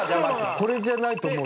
これじゃないともう。